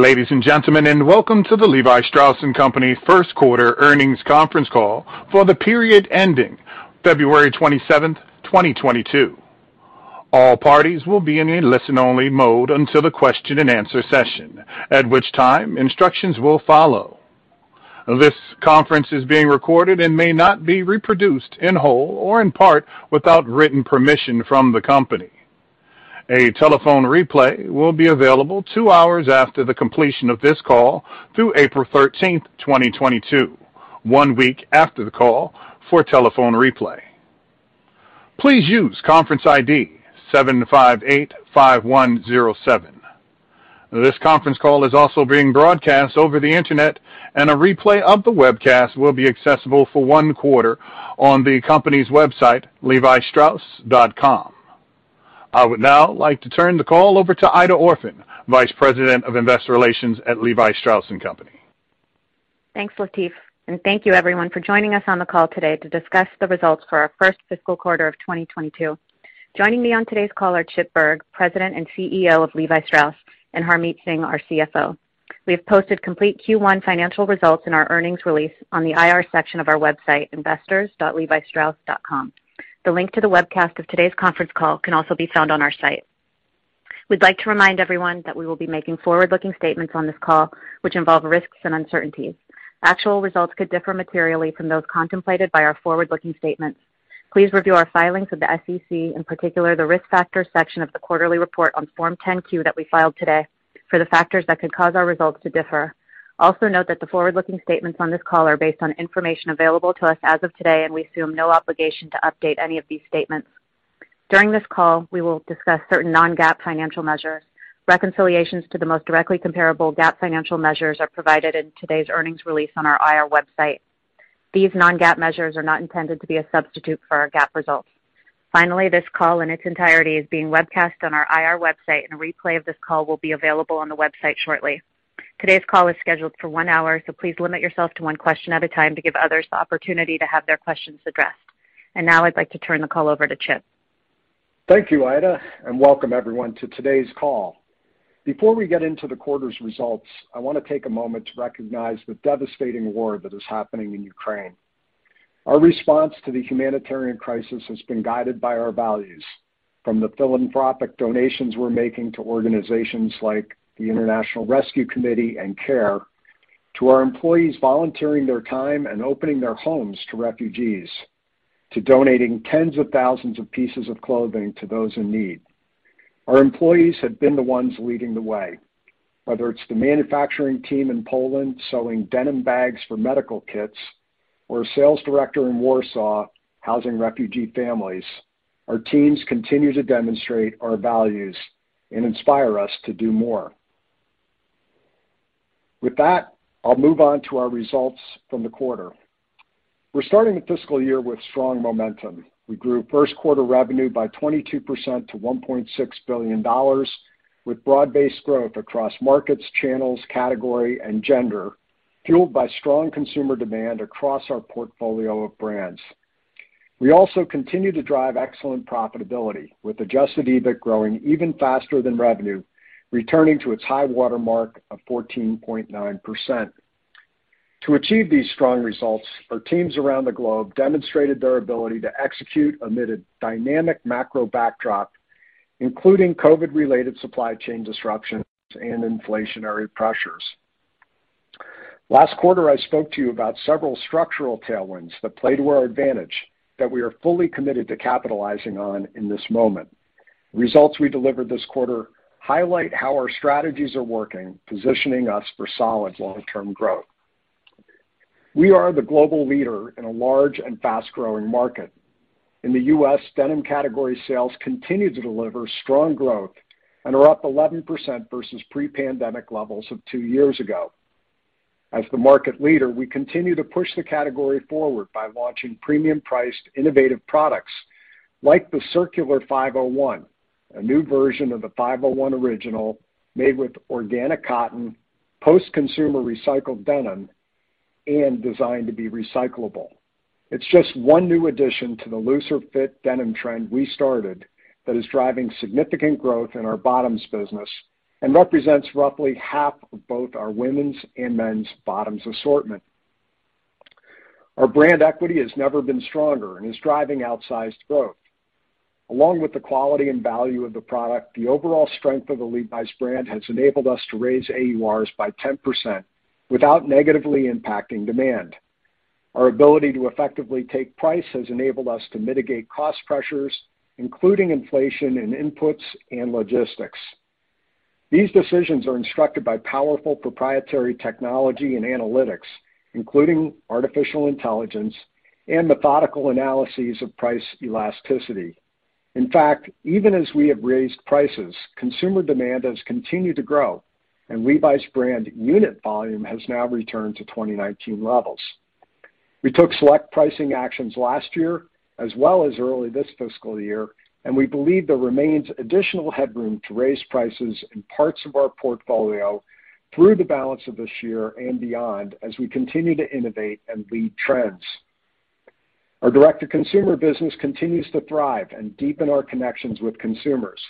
Ladies and Gentlemen, welcome to the Levi Strauss & Co. first quarter earnings conference call for the period ending February 27th, 2022. All parties will be in a listen-only mode until the question and answer session, at which time instructions will follow. This conference is being recorded and may not be reproduced in whole or in part without written permission from the company. A telephone replay will be available two hours after the completion of this call through April 13th, 2022, one week after the call for telephone replay. Please use conference ID 7585107. This conference call is also being broadcast over the Internet and a replay of the webcast will be accessible for one quarter on the company's website, levistrauss.com. I would now like to turn the call over to Aida Orphan, Vice President of Investor Relations at Levi Strauss & Company. Thanks, Latif, and thank you everyone for joining us on the call today to discuss the results for our first fiscal quarter of 2022. Joining me on today's call are Chip Bergh, President and CEO of Levi Strauss, and Harmit Singh, our CFO. We have posted complete Q1 financial results in our earnings release on the IR section of our website, investors.levistrauss.com. The link to the webcast of today's conference call can also be found on our site. We'd like to remind everyone that we will be making forward-looking statements on this call, which involve risks and uncertainties. Actual results could differ materially from those contemplated by our forward-looking statements. Please review our filings with the SEC, in particular, the Risk Factors section of the quarterly report on Form 10-Q that we filed today for the factors that could cause our results to differ. Also note that the forward-looking statements on this call are based on information available to us as of today, and we assume no obligation to update any of these statements. During this call, we will discuss certain non-GAAP financial measures. Reconciliations to the most directly comparable GAAP financial measures are provided in today's earnings release on our IR website. These non-GAAP measures are not intended to be a substitute for our GAAP results. Finally, this call in its entirety is being webcast on our IR website, and a replay of this call will be available on the website shortly. Today's call is scheduled for one hour, so please limit yourself to one question at a time to give others the opportunity to have their questions addressed. Now I'd like to turn the call over to Chip. Thank you, Aida, and welcome everyone to today's call. Before we get into the quarter's results, I wanna take a moment to recognize the devastating war that is happening in Ukraine. Our response to the humanitarian crisis has been guided by our values, from the philanthropic donations we're making to organizations like the International Rescue Committee and CARE, to our employees volunteering their time and opening their homes to refugees, to donating tens of thousands of pieces of clothing to those in need. Our employees have been the ones leading the way. Whether it's the manufacturing team in Poland sewing denim bags for medical kits or a sales director in Warsaw housing refugee families, our teams continue to demonstrate our values and inspire us to do more. With that, I'll move on to our results from the quarter. We're starting the fiscal year with strong momentum. We grew first quarter revenue by 22% to $1.6 billion, with broad-based growth across markets, channels, category, and gender, fueled by strong consumer demand across our portfolio of brands. We also continue to drive excellent profitability, with adjusted EBIT growing even faster than revenue, returning to its high-water mark of 14.9%. To achieve these strong results, our teams around the globe demonstrated their ability to execute amid a dynamic macro backdrop, including COVID-related supply chain disruptions and inflationary pressures. Last quarter, I spoke to you about several structural tailwinds that play to our advantage that we are fully committed to capitalizing on in this moment. Results we delivered this quarter highlight how our strategies are working, positioning us for solid long-term growth. We are the global leader in a large and fast-growing market. In the U.S., denim category sales continue to deliver strong growth and are up 11% versus pre-pandemic levels of two years ago. As the market leader, we continue to push the category forward by launching premium-priced innovative products like the Circular 501, a new version of the 501 original made with organic cotton, post-consumer recycled denim, and designed to be recyclable. It's just one new addition to the looser fit denim trend we started that is driving significant growth in our bottoms business and represents roughly half of both our women's and men's bottoms assortment. Our brand equity has never been stronger and is driving outsized growth. Along with the quality and value of the product, the overall strength of the Levi's brand has enabled us to raise AURs by 10% without negatively impacting demand. Our ability to effectively take price has enabled us to mitigate cost pressures, including inflation in inputs and logistics. These decisions are instructed by powerful proprietary technology and analytics, including artificial intelligence and methodical analyses of price elasticity. In fact, even as we have raised prices, consumer demand has continued to grow, and Levi's brand unit volume has now returned to 2019 levels. We took select pricing actions last year as well as early this fiscal year, and we believe there remains additional headroom to raise prices in parts of our portfolio through the balance of this year and beyond as we continue to innovate and lead trends. Our direct-to-consumer business continues to thrive and deepen our connections with consumers.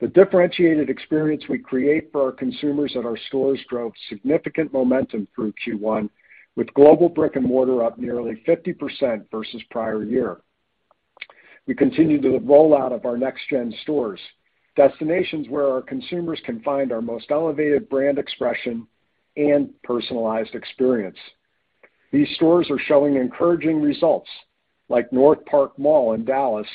The differentiated experience we create for our consumers at our stores drove significant momentum through Q1, with global brick-and-mortar up nearly 50% versus prior year. We continue the rollout of our next gen stores, destinations where our consumers can find our most elevated brand expression and personalized experience. These stores are showing encouraging results, like North Park Mall in Dallas,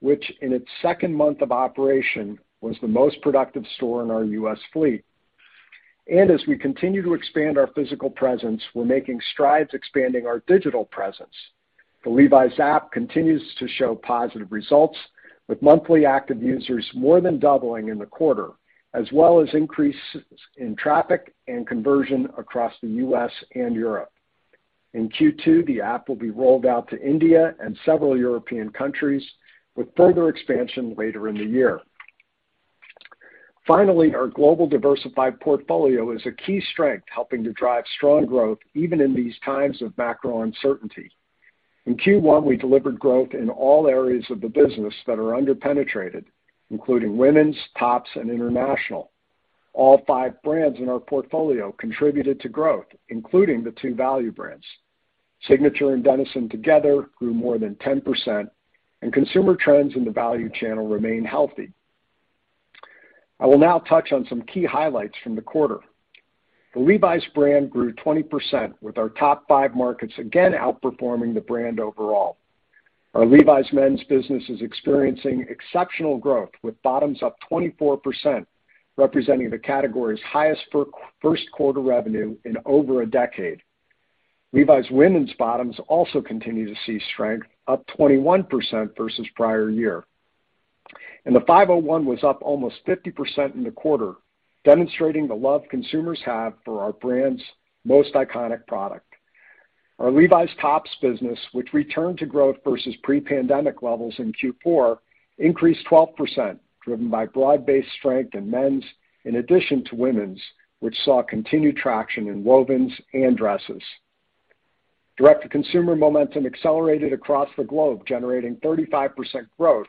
which in its second month of operation was the most productive store in our U.S. fleet. As we continue to expand our physical presence, we're making strides expanding our digital presence. The Levi's app continues to show positive results, with monthly active users more than doubling in the quarter, as well as increases in traffic and conversion across the U.S. and Europe. In Q2, the app will be rolled out to India and several European countries, with further expansion later in the year. Finally, our global diversified portfolio is a key strength helping to drive strong growth even in these times of macro uncertainty. In Q1, we delivered growth in all areas of the business that are under-penetrated, including women's, tops, and international. All five brands in our portfolio contributed to growth, including the two value brands. Signature and Denizen together grew more than 10%, and consumer trends in the value channel remain healthy. I will now touch on some key highlights from the quarter. The Levi's brand grew 20%, with our top five markets again outperforming the brand overall. Our Levi's men's business is experiencing exceptional growth, with bottoms up 24%, representing the category's highest first quarter revenue in over a decade. Levi's women's bottoms also continue to see strength, up 21% versus prior year. The 501 was up almost 50% in the quarter, demonstrating the love consumers have for our brand's most iconic product. Our Levi's tops business, which returned to growth versus pre-pandemic levels in Q4, increased 12%, driven by broad-based strength in men's, in addition to women's, which saw continued traction in wovens and dresses. Direct-to-consumer momentum accelerated across the globe, generating 35% growth,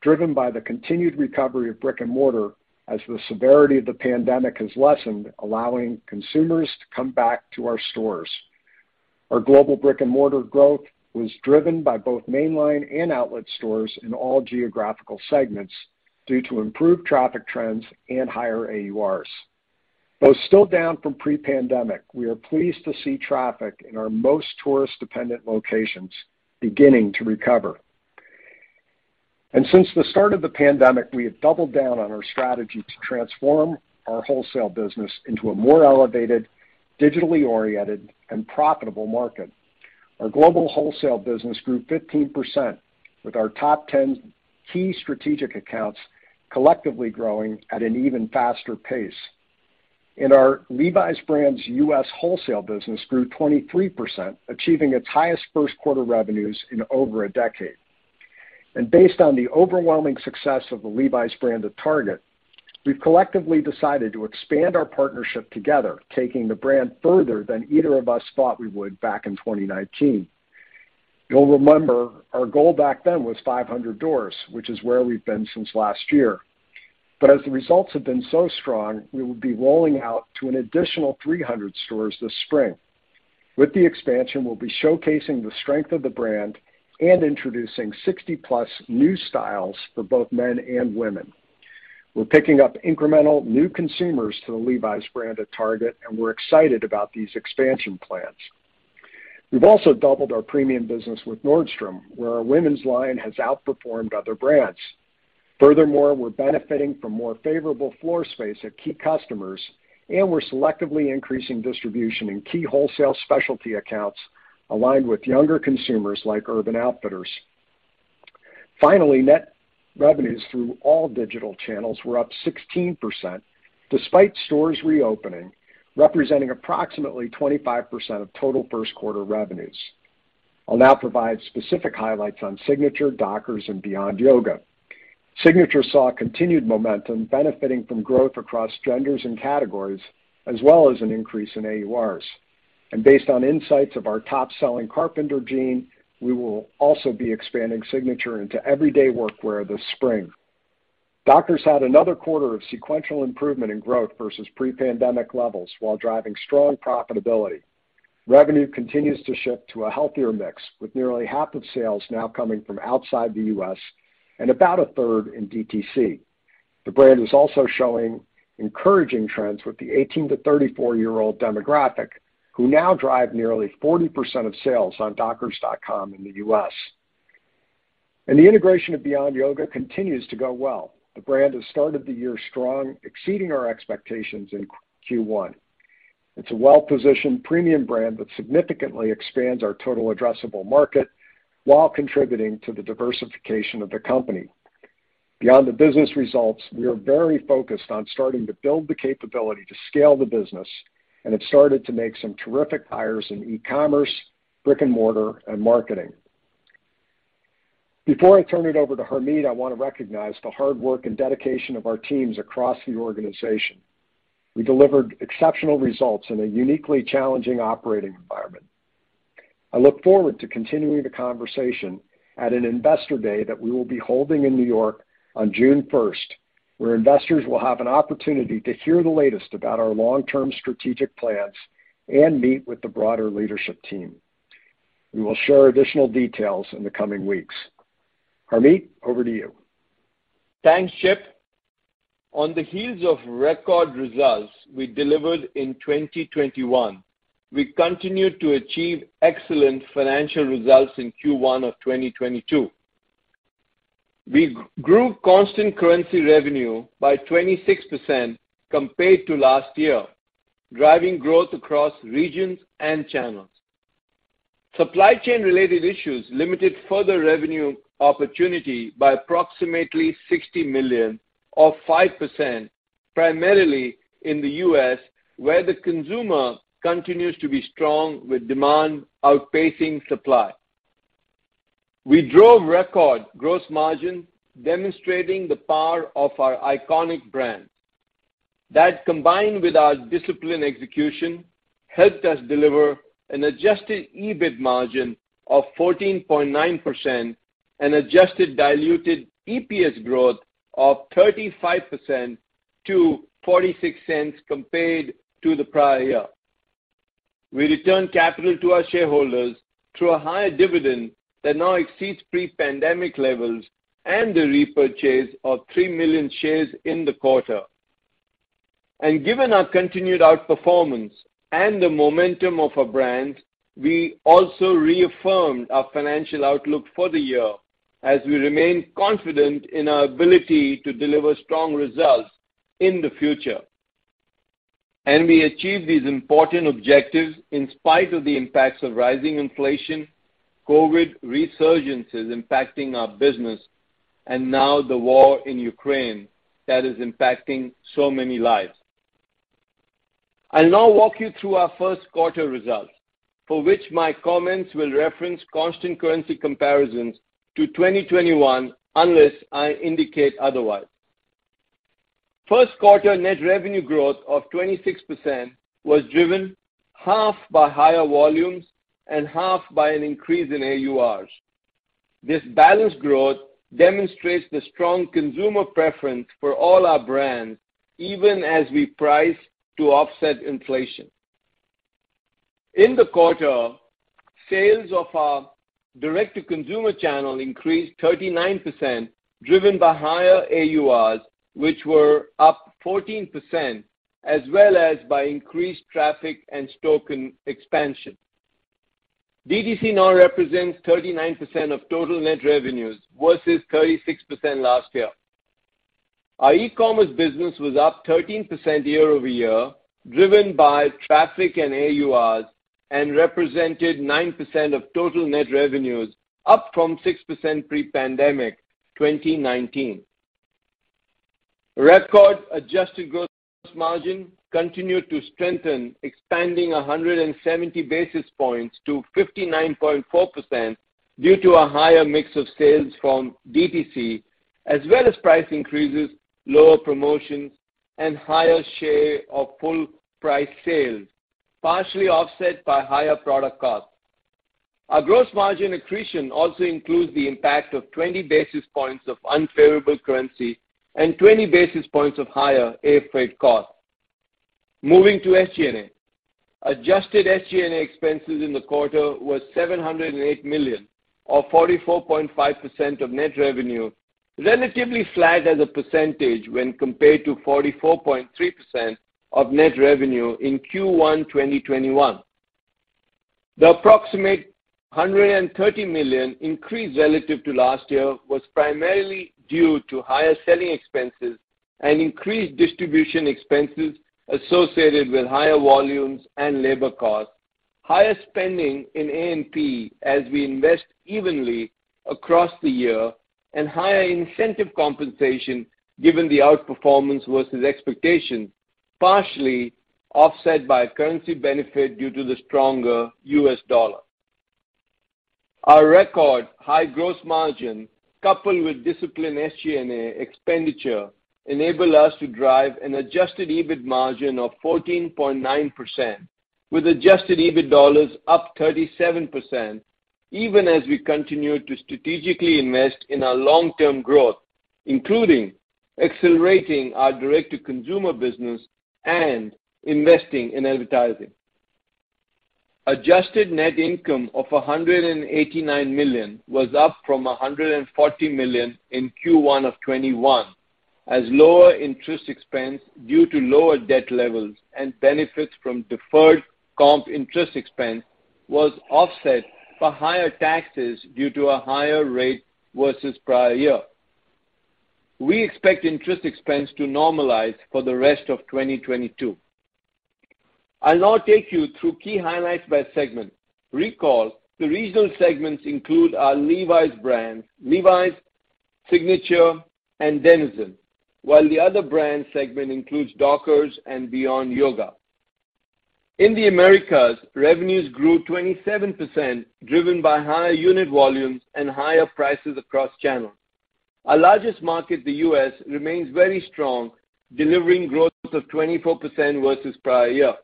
driven by the continued recovery of brick-and-mortar as the severity of the pandemic has lessened, allowing consumers to come back to our stores. Our global brick-and-mortar growth was driven by both mainline and outlet stores in all geographical segments due to improved traffic trends and higher AURs. Though still down from pre-pandemic, we are pleased to see traffic in our most tourist-dependent locations beginning to recover. Since the start of the pandemic, we have doubled down on our strategy to transform our wholesale business into a more elevated, digitally oriented, and profitable market. Our global wholesale business grew 15%, with our top 10 key strategic accounts collectively growing at an even faster pace. Our Levi's brand's U.S. wholesale business grew 23%, achieving its highest first quarter revenues in over a decade. Based on the overwhelming success of the Levi's brand at Target, we've collectively decided to expand our partnership together, taking the brand further than either of us thought we would back in 2019. You'll remember our goal back then was 500 doors, which is where we've been since last year. As the results have been so strong, we will be rolling out to an additional 300 stores this spring. With the expansion, we'll be showcasing the strength of the brand and introducing 60+ new styles for both men and women. We're picking up incremental new consumers to the Levi's brand at Target, and we're excited about these expansion plans. We've also doubled our premium business with Nordstrom, where our women's line has outperformed other brands. Furthermore, we're benefiting from more favorable floor space at key customers, and we're selectively increasing distribution in key wholesale specialty accounts aligned with younger consumers like Urban Outfitters. Finally, net revenues through all digital channels were up 16% despite stores reopening, representing approximately 25% of total first quarter revenues. I'll now provide specific highlights on Signature, Dockers, and Beyond Yoga. Signature saw continued momentum benefiting from growth across genders and categories, as well as an increase in AURs. Based on insights of our top-selling carpenter jean, we will also be expanding Signature into everyday workwear this spring. Dockers had another quarter of sequential improvement in growth versus pre-pandemic levels while driving strong profitability. Revenue continues to shift to a healthier mix, with nearly half of sales now coming from outside the U.S. and about a third in DTC. The brand is also showing encouraging trends with the 18 to 34-year-old demographic, who now drive nearly 40% of sales on dockers.com in the U.S. The integration of Beyond Yoga continues to go well. The brand has started the year strong, exceeding our expectations in Q1. It's a well-positioned premium brand that significantly expands our total addressable market while contributing to the diversification of the company. Beyond the business results, we are very focused on starting to build the capability to scale the business and have started to make some terrific hires in e-commerce, brick-and-mortar, and marketing. Before I turn it over to Harmit, I wanna recognize the hard work and dedication of our teams across the organization. We delivered exceptional results in a uniquely challenging operating environment. I look forward to continuing the conversation at an investor day that we will be holding in New York on June 1st, where investors will have an opportunity to hear the latest about our long-term strategic plans and meet with the broader leadership team. We will share additional details in the coming weeks. Harmit, over to you. Thanks, Chip. On the heels of record results we delivered in 2021, we continued to achieve excellent financial results in Q1 of 2022. We grew constant currency revenue by 26% compared to last year, driving growth across regions and channels. Supply chain related issues limited further revenue opportunity by approximately $60 million, or 5%, primarily in the U.S., where the consumer continues to be strong with demand outpacing supply. We drove record gross margin, demonstrating the power of our iconic brands. That, combined with our disciplined execution, helped us deliver an adjusted EBIT margin of 14.9% and adjusted diluted EPS growth of 35% to $0.46 compared to the prior year. We returned capital to our shareholders through a higher dividend that now exceeds pre-pandemic levels and the repurchase of 3 million shares in the quarter. Given our continued outperformance and the momentum of our brands, we also reaffirmed our financial outlook for the year as we remain confident in our ability to deliver strong results in the future. We achieved these important objectives in spite of the impacts of rising inflation, COVID resurgences impacting our business, and now the war in Ukraine that is impacting so many lives. I'll now walk you through our first quarter results, for which my comments will reference constant currency comparisons to 2021, unless I indicate otherwise. First quarter net revenue growth of 26% was driven half by higher volumes and half by an increase in AURs. This balanced growth demonstrates the strong consumer preference for all our brands, even as we price to offset inflation. In the quarter, sales of our direct-to-consumer channel increased 39%, driven by higher AURs, which were up 14%, as well as by increased traffic and stock expansion. DTC now represents 39% of total net revenues versus 36% last year. Our e-commerce business was up 13% year-over-year, driven by traffic and AURs, and represented 9% of total net revenues, up from 6% pre-pandemic 2019. Record adjusted gross margin continued to strengthen, expanding 170 basis points to 59.4% due to a higher mix of sales from DTC, as well as price increases, lower promotions, and higher share of full price sales, partially offset by higher product costs. Our gross margin accretion also includes the impact of 20 basis points of unfavorable currency and 20 basis points of higher air freight costs. Moving to SG&A. Adjusted SG&A expenses in the quarter was $708 million or 44.5% of net revenue, relatively flat as a percentage when compared to 44.3% of net revenue in Q1 2021. The approximate $130 million increase relative to last year was primarily due to higher selling expenses and increased distribution expenses associated with higher volumes and labor costs, higher spending in A&P as we invest evenly across the year, and higher incentive compensation, given the outperformance versus expectations, partially offset by a currency benefit due to the stronger U.S. dollar. Our record high gross margin, coupled with disciplined SG&A expenditure, enable us to drive an adjusted EBIT margin of 14.9%, with adjusted EBIT dollars up 37%, even as we continue to strategically invest in our long-term growth, including accelerating our direct-to-consumer business and investing in advertising. Adjusted net income of $189 million was up from $140 million in Q1 of 2021, as lower interest expense due to lower debt levels and benefits from deferred comp interest expense was offset by higher taxes due to a higher rate versus prior year. We expect interest expense to normalize for the rest of 2022. I'll now take you through key highlights by segment. Recall the regional segments include our Levi's brands, Levi's, Signature, and Denizen, while the other brand segment includes Dockers and Beyond Yoga. In the Americas, revenues grew 27%, driven by higher unit volumes and higher prices across channels. Our largest market, the U.S., remains very strong, delivering growth of 24% versus prior year.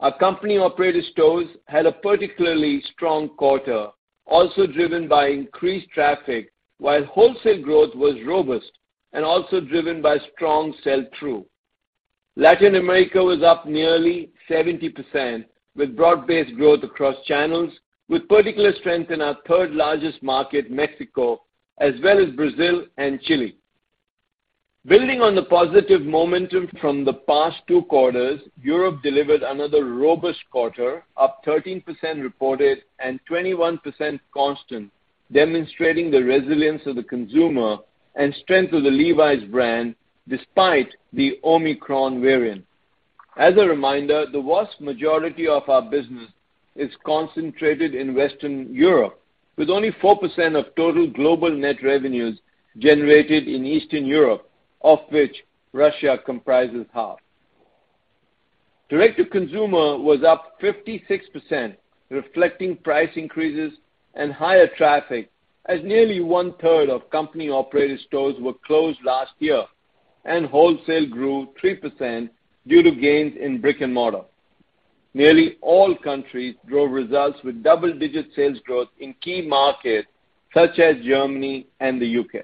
Our company-operated stores had a particularly strong quarter, also driven by increased traffic, while wholesale growth was robust and also driven by strong sell-through. Latin America was up nearly 70% with broad-based growth across channels, with particular strength in our third largest market, Mexico, as well as Brazil and Chile. Building on the positive momentum from the past two quarters, Europe delivered another robust quarter, up 13% reported and 21% constant, demonstrating the resilience of the consumer and strength of the Levi's brand despite the Omicron variant. As a reminder, the vast majority of our business is concentrated in Western Europe, with only 4% of total global net revenues generated in Eastern Europe, of which Russia comprises half. Direct-to-consumer was up 56%, reflecting price increases and higher traffic as nearly 1/3 of company-operated stores were closed last year. Wholesale grew 3% due to gains in brick-and-mortar. Nearly all countries drove results with double-digit sales growth in key markets such as Germany and the U.K.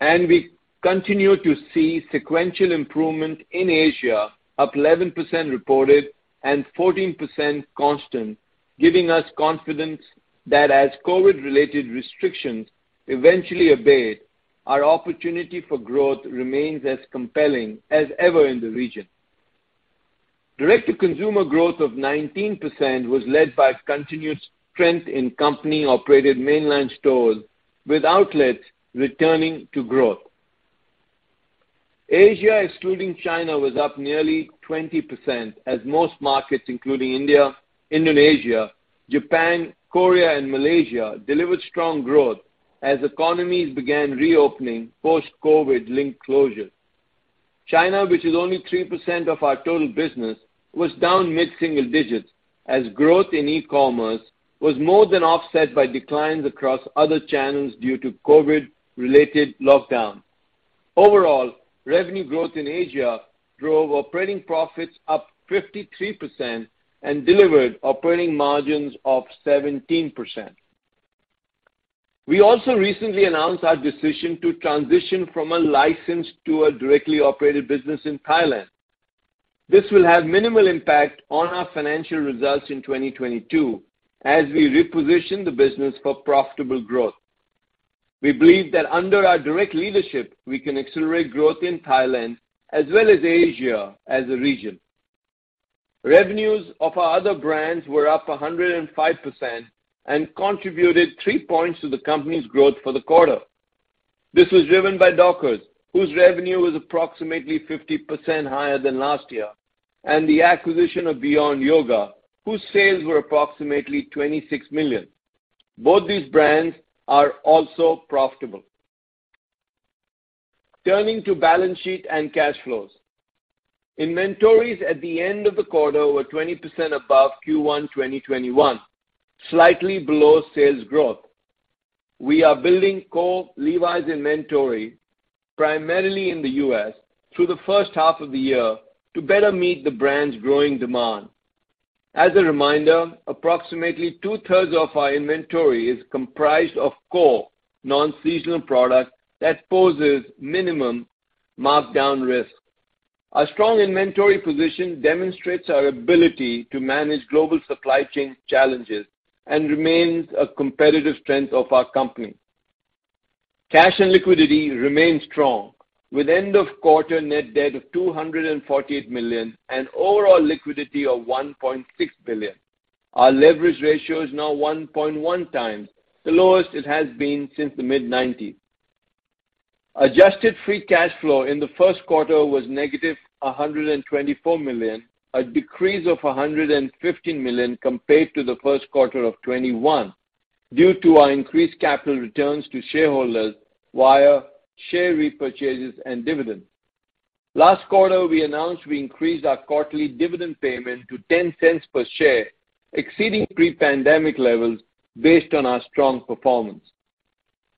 We continue to see sequential improvement in Asia, up 11% reported and 14% constant, giving us confidence that as COVID-related restrictions eventually abate, our opportunity for growth remains as compelling as ever in the region. Direct-to-consumer growth of 19% was led by continued strength in company-operated mainland stores, with outlets returning to growth. Asia, excluding China, was up nearly 20% as most markets, including India, Indonesia, Japan, Korea, and Malaysia, delivered strong growth as economies began reopening post-COVID-linked closures. China, which is only 3% of our total business, was down mid-single digits as growth in e-commerce was more than offset by declines across other channels due to COVID-related lockdowns. Overall, revenue growth in Asia drove operating profits up 53% and delivered operating margins of 17%. We also recently announced our decision to transition from a licensed to a directly operated business in Thailand. This will have minimal impact on our financial results in 2022 as we reposition the business for profitable growth. We believe that under our direct leadership, we can accelerate growth in Thailand as well as Asia as a region. Revenues of our other brands were up 105% and contributed 3 points to the company's growth for the quarter. This was driven by Dockers, whose revenue was approximately 50% higher than last year, and the acquisition of Beyond Yoga, whose sales were approximately $26 million. Both these brands are also profitable. Turning to balance sheet and cash flows, inventories at the end of the quarter were 20% above Q1 2021, slightly below sales growth. We are building core Levi's inventory primarily in the U.S. through the first half of the year to better meet the brand's growing demand. As a reminder, approximately two-thirds of our inventory is comprised of core non-seasonal product that poses minimum markdown risk. Our strong inventory position demonstrates our ability to manage global supply chain challenges and remains a competitive strength of our company. Cash and liquidity remain strong with end of quarter net debt of $248 million and overall liquidity of $1.6 billion. Our leverage ratio is now 1.1x, the lowest it has been since the mid-1990s. Adjusted free cash flow in the first quarter was -$124 million, a decrease of $115 million compared to the first quarter of 2021 due to our increased capital returns to shareholders via share repurchases and dividends. Last quarter, we announced we increased our quarterly dividend payment to $0.10 per share, exceeding pre-pandemic levels based on our strong performance.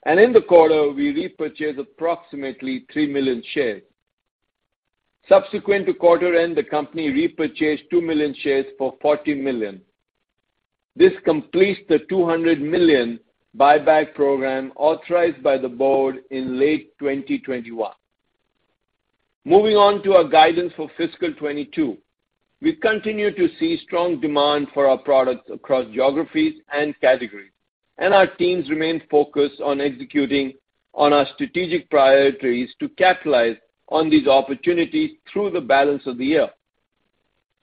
In the quarter, we repurchased approximately 3 million shares. Subsequent to quarter end, the company repurchased 2 million shares for $40 million. This completes the $200 million buyback program authorized by the board in late 2021. Moving on to our guidance for fiscal 2022. We continue to see strong demand for our products across geographies and categories, and our teams remain focused on executing on our strategic priorities to capitalize on these opportunities through the balance of the year.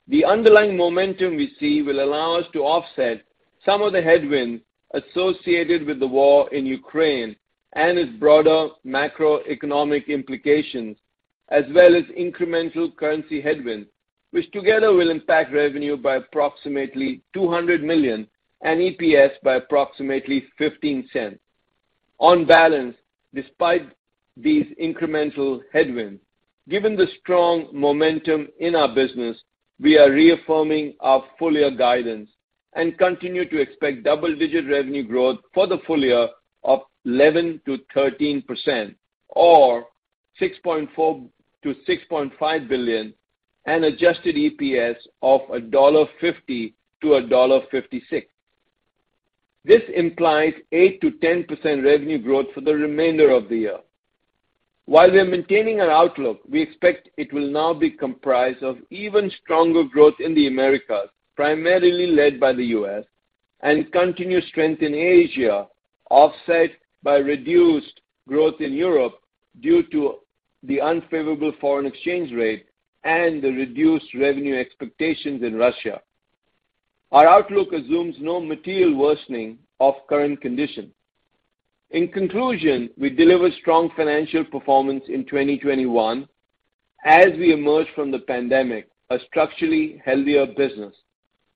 The underlying momentum we see will allow us to offset some of the headwinds associated with the war in Ukraine and its broader macroeconomic implications, as well as incremental currency headwinds, which together will impact revenue by approximately $200 million and EPS by approximately $0.15. On balance, despite these incremental headwinds, given the strong momentum in our business, we are reaffirming our full-year guidance and continue to expect double-digit revenue growth for the full year of 11%-13% or $6.4 billion-$6.5 billion and adjusted EPS of $1.50-$1.56. This implies 8%-10% revenue growth for the remainder of the year. While we are maintaining our outlook, we expect it will now be comprised of even stronger growth in the Americas, primarily led by the U.S., and continued strength in Asia, offset by reduced growth in Europe due to the unfavorable foreign exchange rate and the reduced revenue expectations in Russia. Our outlook assumes no material worsening of current conditions. In conclusion, we delivered strong financial performance in 2021 as we emerge from the pandemic, a structurally healthier business.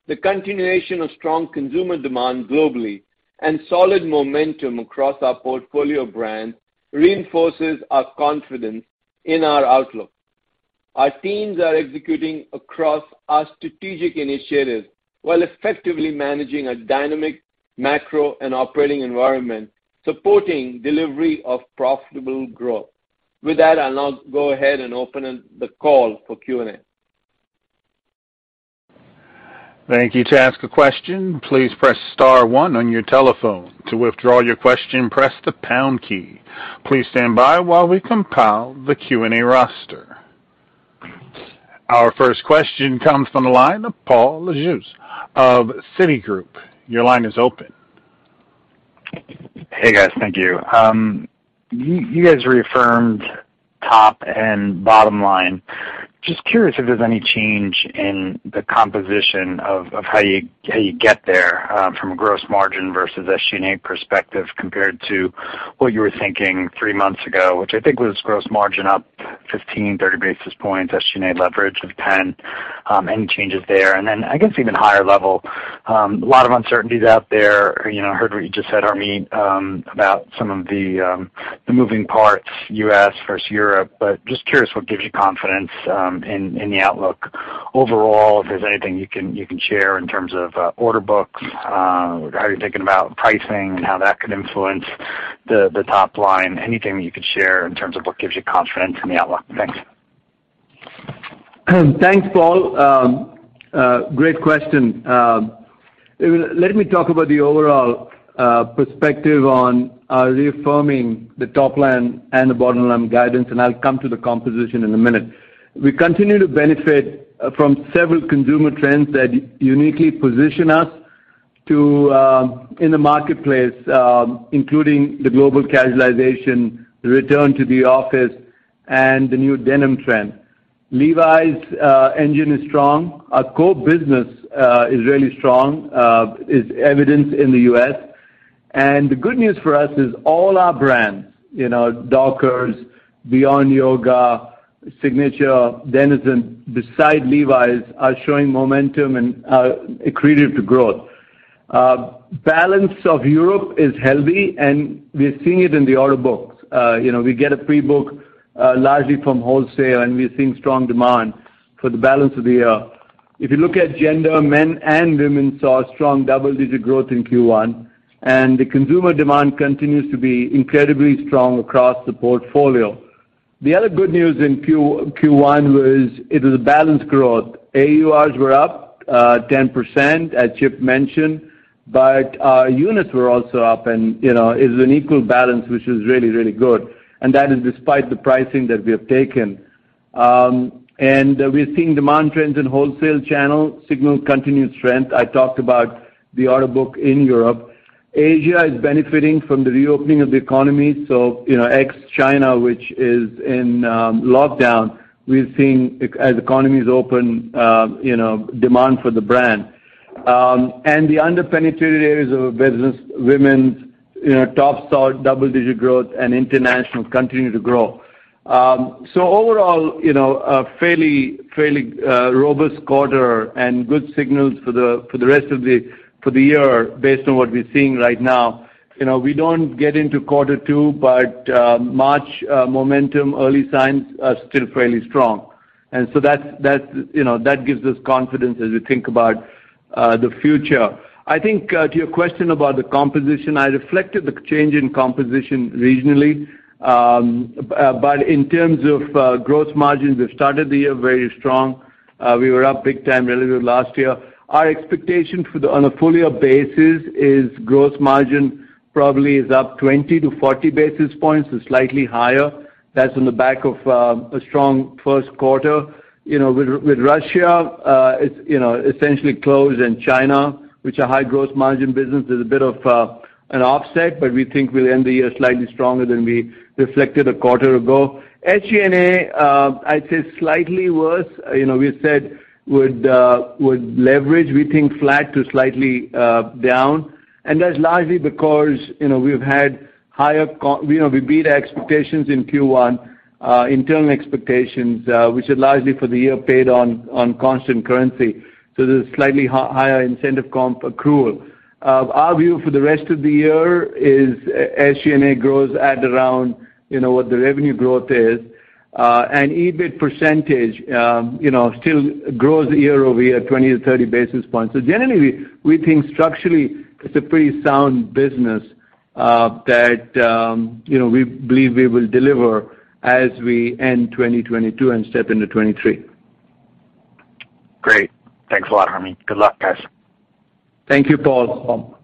The continuation of strong consumer demand globally and solid momentum across our portfolio of brands, reinforces our confidence in our outlook. Our teams are executing across our strategic initiatives while effectively managing a dynamic macro and operating environment, supporting delivery of profitable growth. With that, I'll now go ahead and open the call for Q&A. Thank you. To ask a question, please press star one on your telephone. To withdraw your question, press the pound key. Please stand by while we compile the Q&A roster. Our first question comes from the line of Paul Lejuez of Citigroup. Your line is open. Hey, guys. Thank you. You guys reaffirmed top and bottom line. Just curious if there's any change in the composition of how you get there from a gross margin versus SG&A perspective compared to what you were thinking three months ago, which I think was gross margin up 15-30 basis points, SG&A leverage of 10, any changes there? I guess even higher level, a lot of uncertainties out there. You know, I heard what you just said, Harmit, about some of the moving parts U.S. versus Europe, but just curious what gives you confidence in the outlook overall, if there's anything you can share in terms of order books, how are you thinking about pricing and how that could influence the top line? Anything you could share in terms of what gives you confidence in the outlook? Thanks. Thanks, Paul. Great question. Let me talk about the overall perspective on reaffirming the top line and the bottom-line guidance, and I'll come to the composition in a minute. We continue to benefit from several consumer trends that uniquely position us in the marketplace, including the global casualization, the return to the office and the new denim trend. Levi's engine is strong. Our core business is really strong, as evidenced in the U.S. The good news for us is all our brands, you know, Dockers, Beyond Yoga, Signature, Denizen, besides Levi's, are showing momentum and are accretive to growth. Balance of Europe is healthy, and we're seeing it in the order books. You know, we get a pre-book, largely from wholesale, and we're seeing strong demand for the balance of the year. If you look at gender, men and women saw strong double-digit growth in Q1, and the consumer demand continues to be incredibly strong across the portfolio. The other good news in Q1 was it was a balanced growth. AURs were up 10%, as Chip mentioned, but our units were also up. You know, it's an equal balance, which is really good. That is despite the pricing that we have taken. We're seeing demand trends in wholesale channel signal continued strength. I talked about the order book in Europe. Asia is benefiting from the reopening of the economy. You know, ex-China, which is in lockdown, we're seeing, as economies open, you know, demand for the brand. The underpenetrated areas of our business, women's, you know, tops saw double-digit growth and international continue to grow. So overall, you know, a fairly robust quarter and good signals for the rest of the year based on what we're seeing right now. You know, we don't get into quarter two, but March momentum, early signs are still fairly strong. That gives us confidence as we think about the future. I think to your question about the composition, I reflected the change in composition regionally. But in terms of gross margins, we've started the year very strong. We were up big time relative to last year. Our expectation on a full-year basis is gross margin probably is up 20-40 basis points or slightly higher. That's on the back of a strong first quarter. You know, with Russia, it's you know essentially closed and China, which are high gross margin business. There's a bit of an offset, but we think we'll end the year slightly stronger than we reflected a quarter ago. SG&A, I'd say slightly worse. You know, we said would leverage. We think flat to slightly down. That's largely because, you know, we beat expectations in Q1, internal expectations, which are largely for the year based on constant currency. There's a slightly higher incentive comp accrual. Our view for the rest of the year is SG&A grows at around, you know, what the revenue growth is. EBIT percentage, you know, still grows year-over-year 20-30 basis points. Generally, we think structurally it's a pretty sound business, that you know, we believe we will deliver as we end 2022 and step into 2023. Great. Thanks a lot, Harmit. Good luck, guys. Thank you, Paul.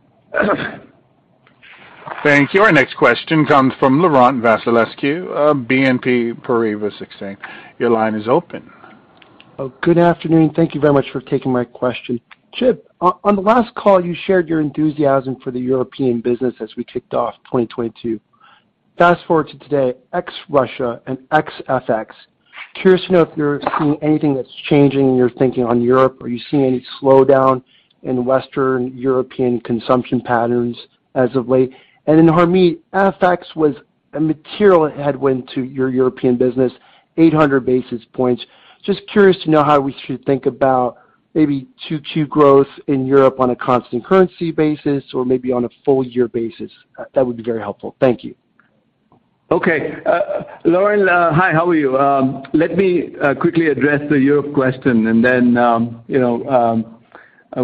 Thank you. Our next question comes from Laurent Vasilescu of BNP Paribas Exane. Your line is open. Good afternoon. Thank you very much for taking my question. Chip, on the last call, you shared your enthusiasm for the European business as we kicked off 2022. Fast-forward to today, ex Russia and ex FX, curious to know if you're seeing anything that's changing in your thinking on Europe. Are you seeing any slowdown in Western European consumption patterns as of late? Then Harmit, FX was a material headwind to your European business, 800 basis points. Just curious to know how we should think about maybe 2Q growth in Europe on a constant currency basis or maybe on a full-year basis. That would be very helpful. Thank you. Okay. Laurent, hi, how are you? Let me quickly address the Europe question, and then, you know,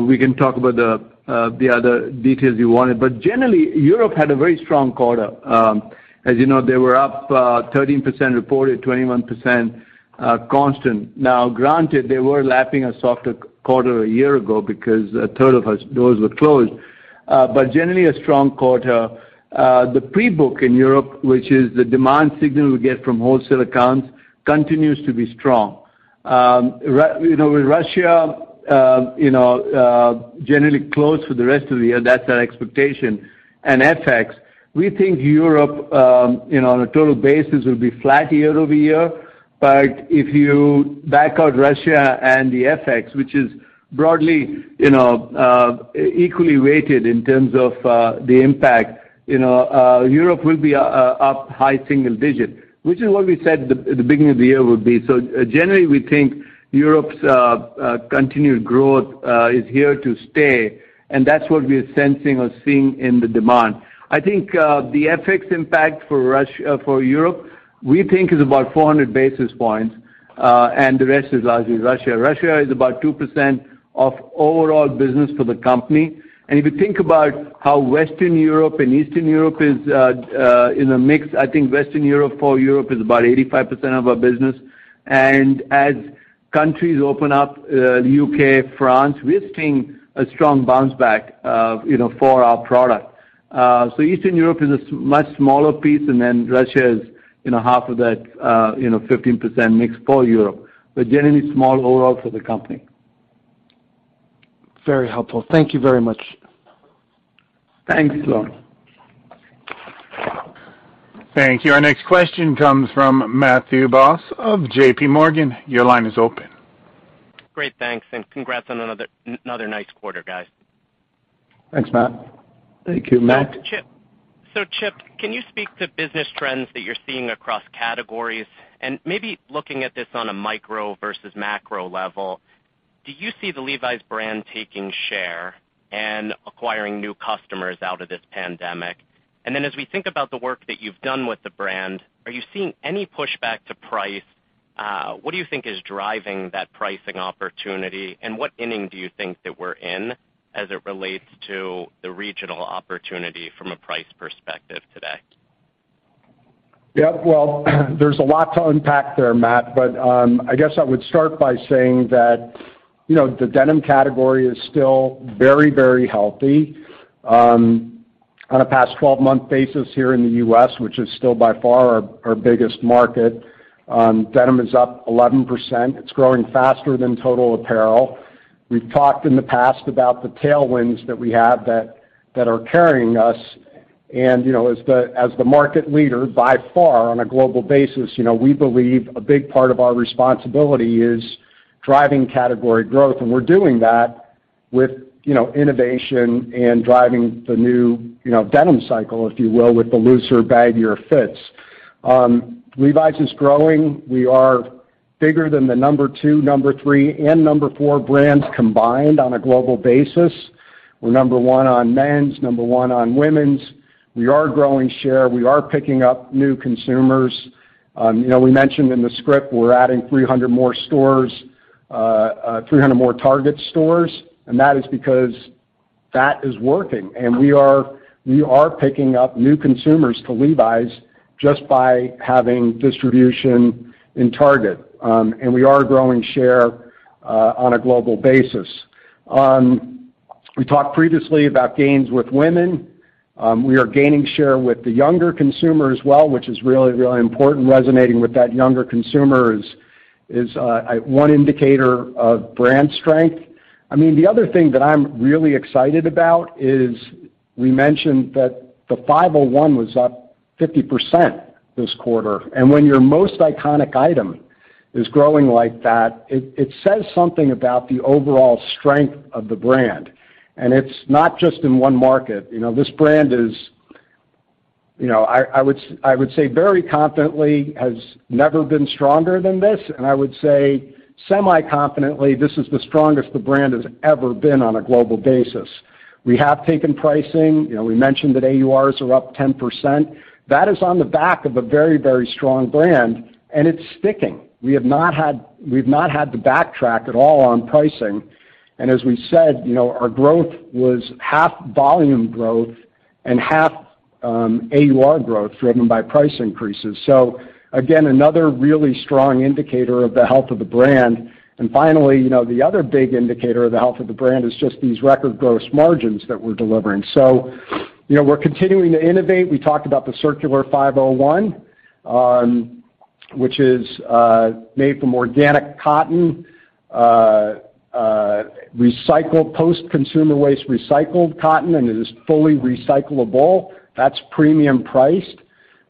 we can talk about the other details you wanted. Generally, Europe had a very strong quarter. As you know, they were up 13% reported, 21% constant. Now, granted, they were lapping a softer quarter a year ago because a third of those were closed. Generally a strong quarter. The pre-book in Europe, which is the demand signal we get from wholesale accounts, continues to be strong. You know, with Russia, you know, generally closed for the rest of the year, that's our expectation. FX, we think Europe, you know, on a total basis will be flat year-over-year. If you back out Russia and the FX, which is broadly, you know, equally weighted in terms of the impact, you know, Europe will be up high single digit, which is what we said at the beginning of the year would be. Generally, we think Europe's continued growth is here to stay, and that's what we are sensing or seeing in the demand. I think the FX impact for Europe, we think is about 400 basis points, and the rest is largely Russia. Russia is about 2% of overall business for the company. If you think about how Western Europe and Eastern Europe is in a mix, I think Western Europe, for Europe, is about 85% of our business. As countries open up, U.K., France, we're seeing a strong bounce back, you know, for our product. Eastern Europe is a much smaller piece, and then Russia is, you know, half of that, you know, 15% mix for Europe. But generally small overall for the company. Very helpful. Thank you very much. Thanks, Laurent. Thank you. Our next question comes from Matthew Boss of JP Morgan. Your line is open. Great. Thanks, and congrats on another nice quarter, guys. Thanks, Matt. Thank you, Matt. Chip, can you speak to business trends that you're seeing across categories? Maybe looking at this on a micro versus macro level, do you see the Levi's brand taking share and acquiring new customers out of this pandemic? As we think about the work that you've done with the brand, are you seeing any pushback to price? What do you think is driving that pricing opportunity? What inning do you think that we're in as it relates to the pricing opportunity from a price perspective today? Yeah. Well, there's a lot to unpack there, Matt. I guess I would start by saying that, you know, the denim category is still very, very healthy. On a past 12-month basis here in the U.S., which is still by far our biggest market, denim is up 11%. It's growing faster than total apparel. We've talked in the past about the tailwinds that we have that are carrying us. You know, as the market leader by far on a global basis, you know, we believe a big part of our responsibility is driving category growth. We're doing that with, you know, innovation and driving the new, you know, denim cycle, if you will, with the looser baggier fits. Levi's is growing. We are bigger than the number two, number three, and number four brands combined on a global basis. We're number one on men's, number one on women's. We are growing share. We are picking up new consumers. You know, we mentioned in the script, we're adding 300 more stores, 300 more Target stores, and that is because that is working. We are picking up new consumers to Levi's just by having distribution in Target. We are growing share on a global basis. We talked previously about gains with women. We are gaining share with the younger consumer as well, which is really important. Resonating with that younger consumer is one indicator of brand strength. I mean, the other thing that I'm really excited about is we mentioned that the 501 was up 50% this quarter. When your most iconic item is growing like that, it says something about the overall strength of the brand. It's not just in one market. You know, this brand is— You know, I would say very confidently has never been stronger than this. I would say semi-confidently, this is the strongest the brand has ever been on a global basis. We have taken pricing. You know, we mentioned that AURs are up 10%. That is on the back of a very, very strong brand, and it's sticking. We've not had to backtrack at all on pricing. As we said, you know, our growth was half volume growth and half AUR growth driven by price increases. Again, another really strong indicator of the health of the brand. Finally, you know, the other big indicator of the health of the brand is just these record gross margins that we're delivering. You know, we're continuing to innovate. We talked about the Circular 501, which is made from organic cotton, recycled post-consumer waste recycled cotton, and it is fully recyclable. That's premium priced.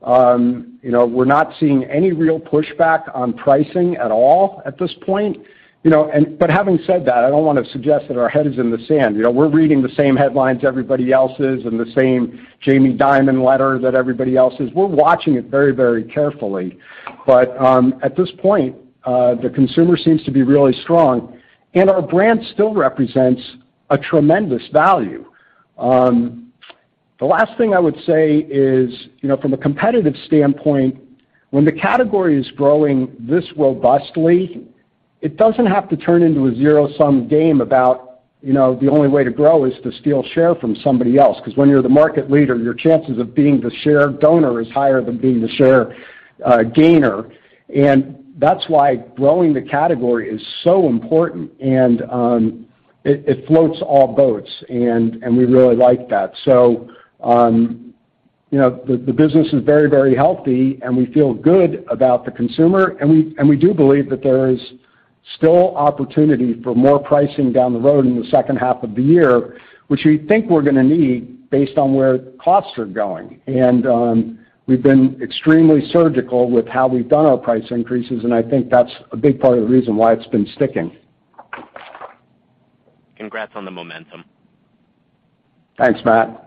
You know, we're not seeing any real pushback on pricing at all at this point. You know, having said that, I don't wanna suggest that our head is in the sand. You know, we're reading the same headlines everybody else is, and the same Jamie Dimon letter that everybody else is. We're watching it very, very carefully. At this point, the consumer seems to be really strong, and our brand still represents a tremendous value. The last thing I would say is, you know, from a competitive standpoint, when the category is growing this robustly, it doesn't have to turn into a zero-sum game about, you know, the only way to grow is to steal share from somebody else. 'Cause when you're the market leader, your chances of being the share donor is higher than being the share gainer. And that's why growing the category is so important and it floats all boats and we really like that. So, you know, the business is very, very healthy, and we feel good about the consumer. And we do believe that there is still opportunity for more pricing down the road in the second half of the year, which we think we're gonna need based on where costs are going. We've been extremely surgical with how we've done our price increases, and I think that's a big part of the reason why it's been sticking. Congrats on the momentum. Thanks, Matt.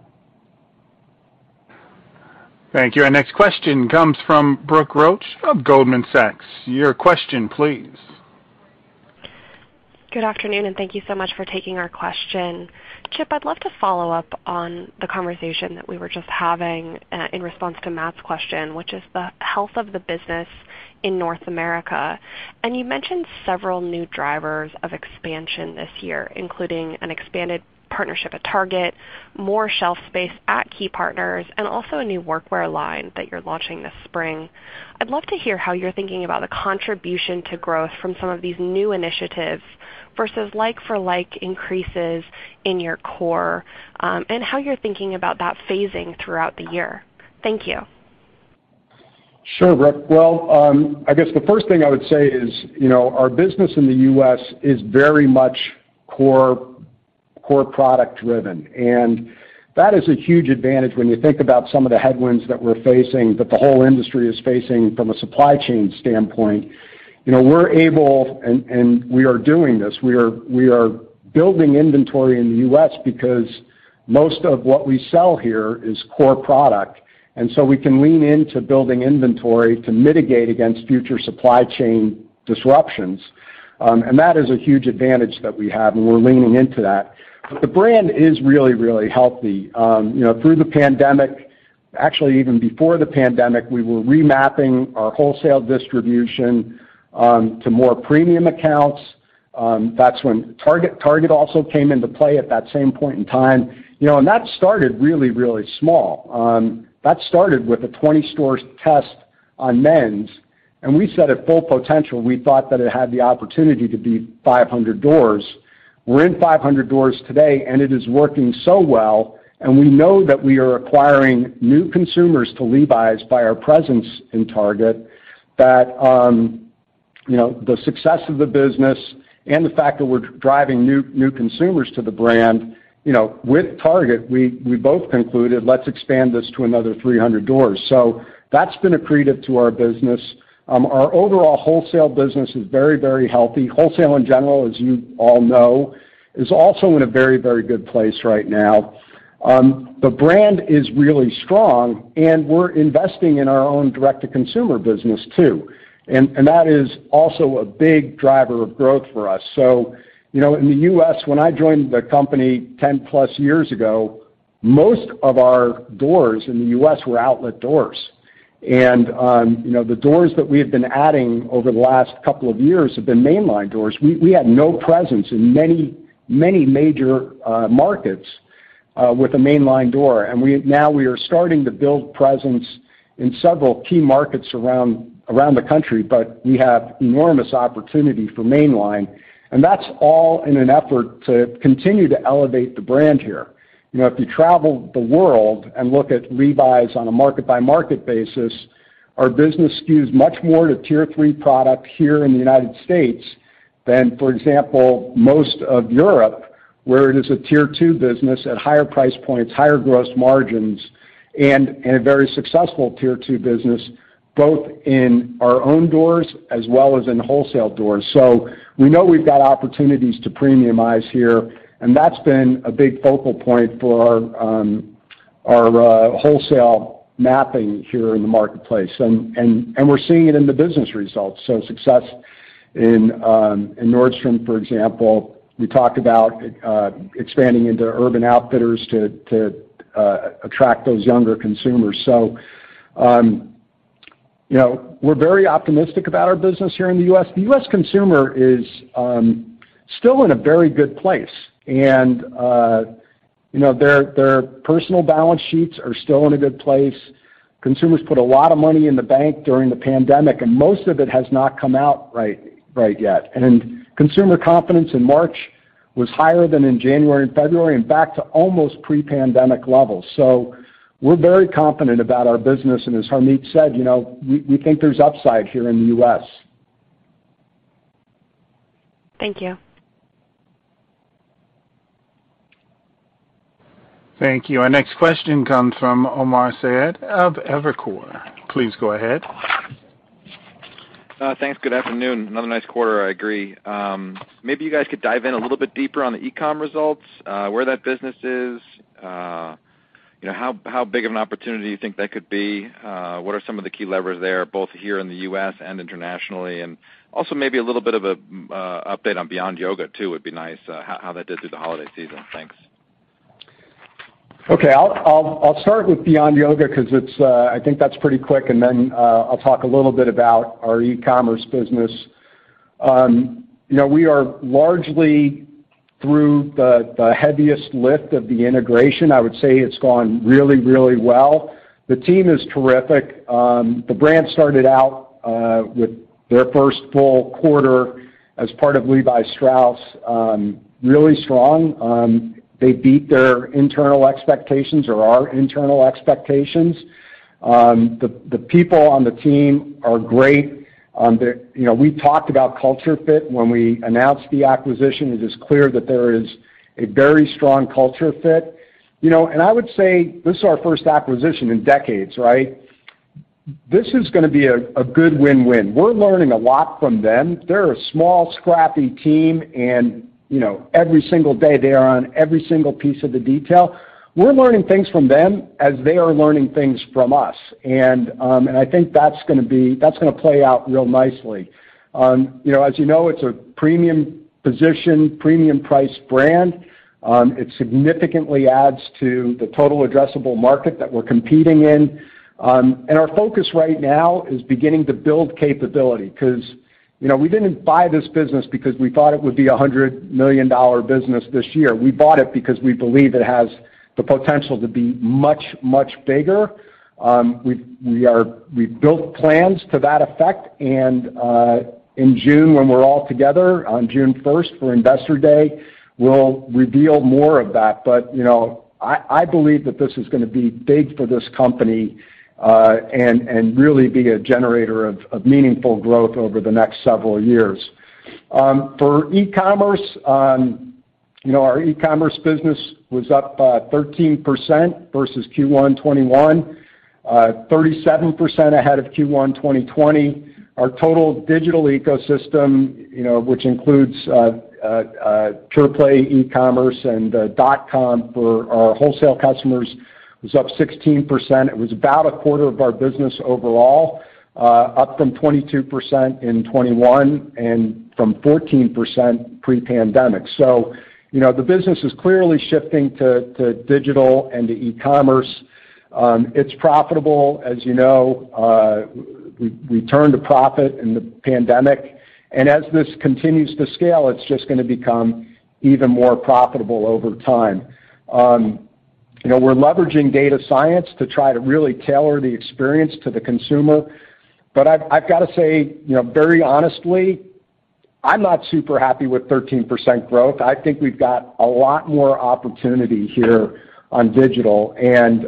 Thank you. Our next question comes from Brooke Roach of Goldman Sachs. Your question please. Good afternoon, and thank you so much for taking our question. Chip, I'd love to follow up on the conversation that we were just having in response to Matt's question, which is the health of the business in North America. You mentioned several new drivers of expansion this year, including an expanded partnership at Target, more shelf space at key partners, and also a new workwear line that you're launching this spring. I'd love to hear how you're thinking about the contribution to growth from some of these new initiatives versus like-for-like increases in your core, and how you're thinking about that phasing throughout the year. Thank you. Sure, Brooke. Well, I guess the first thing I would say is, you know, our business in the U.S. is very much core product driven, and that is a huge advantage when you think about some of the headwinds that we're facing, that the whole industry is facing from a supply chain standpoint. You know, we're able and we are doing this, we are building inventory in the U.S. because most of what we sell here is core product, and so we can lean into building inventory to mitigate against future supply chain disruptions. And that is a huge advantage that we have, and we're leaning into that. The brand is really, really healthy. You know, through the pandemic, actually, even before the pandemic, we were remapping our wholesale distribution to more premium accounts. That's when Target also came into play at that same point in time. You know, that started really small. That started with a 20 stores test on men's, and we said at full potential, we thought that it had the opportunity to be 500 doors. We're in 500 doors today, and it is working so well, and we know that we are acquiring new consumers to Levi's by our presence in Target. You know, the success of the business and the fact that we're driving new consumers to the brand with Target, we both concluded, let's expand this to another 300 doors. That's been accretive to our business. Our overall wholesale business is very healthy. Wholesale in general, as you all know, is also in a very good place right now. The brand is really strong, and we're investing in our own direct-to-consumer business too. That is also a big driver of growth for us. You know, in the U.S., when I joined the company 10 plus years ago, most of our doors in the U.S. were outlet doors. You know, the doors that we have been adding over the last couple of years have been mainline doors. We had no presence in many, many major markets with a mainline door. Now we are starting to build presence in several key markets around the country, but we have enormous opportunity for mainline, and that's all in an effort to continue to elevate the brand here. You know, if you travel the world and look at Levi's on a market-by-market basis, our business skews much more to tier three product here in the United States than, for example, most of Europe, where it is a tier two business at higher price points, higher gross margins, and a very successful tier two business. Both in our own doors as well as in wholesale doors. We know we've got opportunities to premiumize here, and that's been a big focal point for our wholesale mapping here in the marketplace. We're seeing it in the business results. Success in Nordstrom, for example. We talked about expanding into Urban Outfitters to attract those younger consumers. You know, we're very optimistic about our business here in the U.S. The U.S. consumer is still in a very good place. Their personal balance sheets are still in a good place. Consumers put a lot of money in the bank during the pandemic, and most of it has not come out right yet. Consumer confidence in March was higher than in January and February and back to almost pre-pandemic levels. We're very confident about our business, and as Harmit said, you know, we think there's upside here in the U.S. Thank you. Thank you. Our next question comes from Omar Saad of Evercore. Please go ahead. Thanks. Good afternoon. Another nice quarter, I agree. Maybe you guys could dive in a little bit deeper on the e-com results, where that business is, you know, how big of an opportunity you think that could be? What are some of the key levers there, both here in the U.S. and internationally? Also maybe a little bit of an update on Beyond Yoga too would be nice, how that did through the holiday season? Thanks. Okay. I'll start with Beyond Yoga 'cause it's I think that's pretty quick, and then I'll talk a little bit about our e-commerce business. You know, we are largely through the heaviest lift of the integration. I would say it's gone really well. The team is terrific. The brand started out with their first full quarter as part of Levi Strauss really strong. They beat their internal expectations or our internal expectations. The people on the team are great. You know, we talked about culture fit when we announced the acquisition. It is clear that there is a very strong culture fit. You know, and I would say this is our first acquisition in decades, right? This is gonna be a good win-win. We're learning a lot from them. They're a small, scrappy team and, you know, every single day they are on every single piece of the detail. We're learning things from them as they are learning things from us. I think that's gonna play out real nicely. You know, as you know, it's a premium position, premium price brand. It significantly adds to the total addressable market that we're competing in. Our focus right now is beginning to build capability 'cause, you know, we didn't buy this business because we thought it would be a $100 million business this year. We bought it because we believe it has the potential to be much, much bigger. We've built plans to that effect, and in June, when we're all together on June first for Investor Day, we'll reveal more of that. You know, I believe that this is gonna be big for this company and really be a generator of meaningful growth over the next several years. For e-commerce, you know, our e-commerce business was up 13% versus Q1 2021, 37% ahead of Q1 2020. Our total digital ecosystem, you know, which includes pure-play e-commerce and dot-com for our wholesale customers, was up 16%. It was about a quarter of our business overall, up from 22% in 2021 and from 14% pre-pandemic. You know, the business is clearly shifting to digital and to e-commerce. It's profitable. As you know, we turned a profit in the pandemic. As this continues to scale, it's just gonna become even more profitable over time. You know, we're leveraging data science to try to really tailor the experience to the consumer. I've gotta say, you know, very honestly, I'm not super happy with 13% growth. I think we've got a lot more opportunity here on digital and,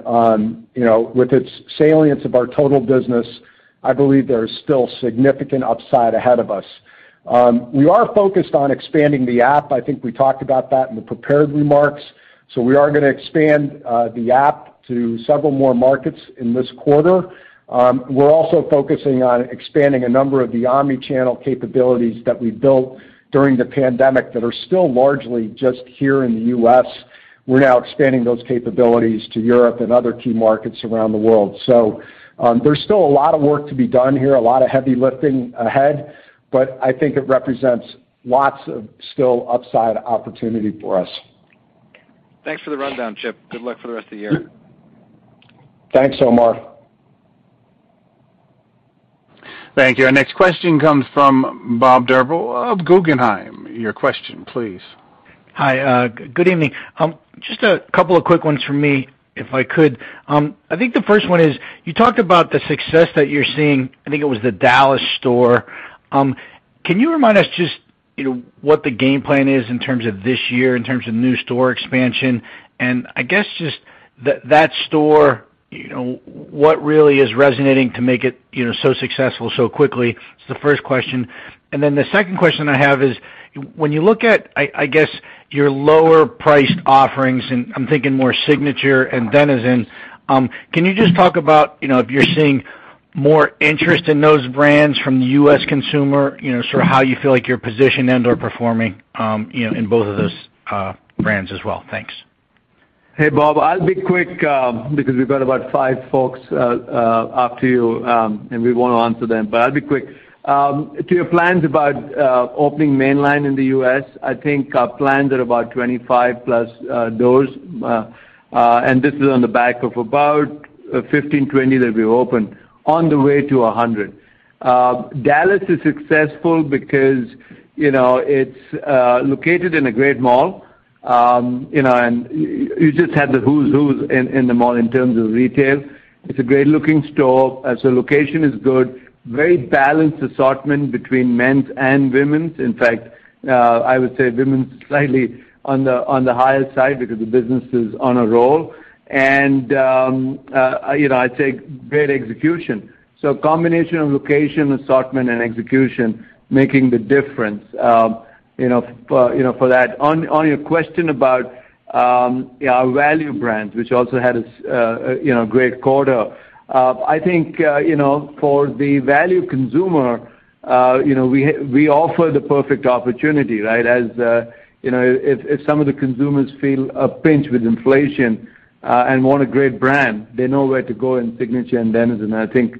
you know, with its salience of our total business, I believe there is still significant upside ahead of us. We are focused on expanding the app. I think we talked about that in the prepared remarks. We are gonna expand the app to several more markets in this quarter. We're also focusing on expanding a number of the omni-channel capabilities that we built during the pandemic that are still largely just here in the U.S. We're now expanding those capabilities to Europe and other key markets around the world. There's still a lot of work to be done here, a lot of heavy lifting ahead, but I think it represents lots of still upside opportunity for us. Thanks for the rundown, Chip. Good luck for the rest of the year. Thanks, Omar. Thank you. Our next question comes from Bob Drbul of Guggenheim. Your question please. Hi. Good evening. Just a couple of quick ones from me, if I could. I think the first one is, you talked about the success that you're seeing, I think it was the Dallas store. Can you remind us just, you know, what the game plan is in terms of this year, in terms of new store expansion? I guess just that store, you know, what really is resonating to make it, you know, so successful so quickly? It's the first question. Then the second question I have is: when you look at, I guess, your lower-priced offerings, and I'm thinking more Signature and Denizen, can you just talk about, you know, if you're seeing more interest in those brands from the U.S. consumer, you know, sort of how you feel like you're positioned and/or performing, in both of those brands as well. Thanks. Hey, Bob, I'll be quick because we've got about five folks after you and we wanna answer them. I'll be quick. To your plans about opening Mainline in the U.S., I think our plans are about 25+ doors. And this is on the back of about 15, 20 that we've opened on the way to 100. Dallas is successful because, you know, it's located in a great mall. You know, and you just have the who's who in the mall in terms of retail. It's a great-looking store. So location is good. Very balanced assortment between men's and women's. In fact, I would say women's slightly on the higher side because the business is on a roll. You know, I'd say great execution. Combination of location, assortment, and execution making the difference, you know, for that. On your question about our value brands, which also had a great quarter. I think for the value consumer, you know, we offer the perfect opportunity, right? As you know, if some of the consumers feel a pinch with inflation and want a great brand, they know where to go in Signature and Denizen. I think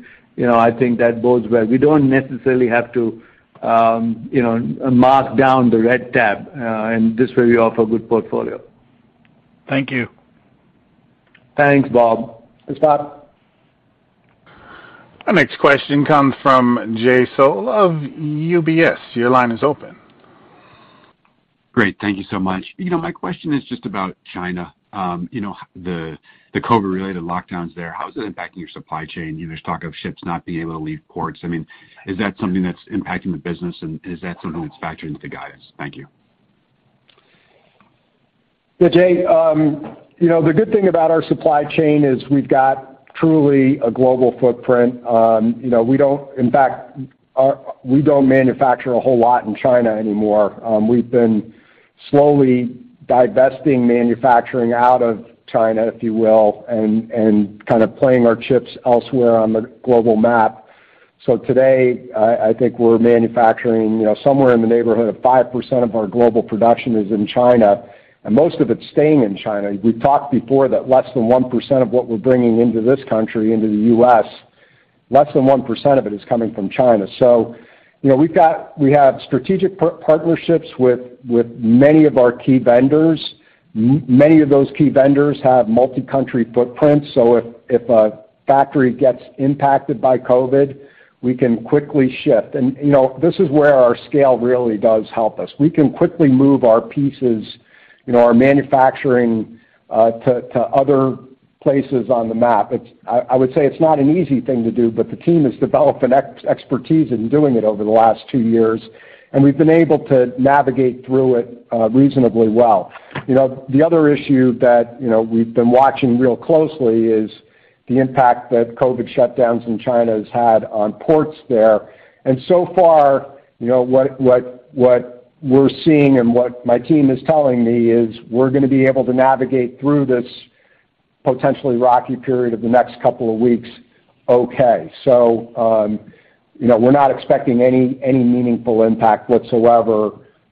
that bodes well. We don't necessarily have to mark down the red tab, and this way we offer good portfolio. Thank you. Thanks, Bob. Scott? Our next question comes from Jay Sole of UBS. Your line is open. Great. Thank you so much. You know, my question is just about China. You know, the COVID-related lockdowns there, how is it impacting your supply chain? You know, there's talk of ships not being able to leave ports. I mean, is that something that's impacting the business, and is that something that's factored into the guidance? Thank you. Yeah, Jay. You know, the good thing about our supply chain is we've got truly a global footprint. You know, we don't, in fact, we don't manufacture a whole lot in China anymore. We've been slowly divesting manufacturing out of China, if you will, and kind of playing our chips elsewhere on the global map. Today, I think we're manufacturing, you know, somewhere in the neighborhood of 5% of our global production is in China, and most of it's staying in China. We've talked before that less than 1% of what we're bringing into this country, into the U.S., less than 1% of it is coming from China. You know, we have strategic partnerships with many of our key vendors. Many of those key vendors have multi-country footprints, so if a factory gets impacted by COVID, we can quickly shift. You know, this is where our scale really does help us. We can quickly move our pieces, you know, our manufacturing to other places on the map. I would say it's not an easy thing to do, but the team has developed an expertise in doing it over the last two years, and we've been able to navigate through it reasonably well. You know, the other issue that, you know, we've been watching real closely is the impact that COVID shutdowns in China has had on ports there. Far, you know, what we're seeing and what my team is telling me is we're gonna be able to navigate through this potentially rocky period of the next couple of weeks, okay. You know, we're not expecting any meaningful impact whatsoever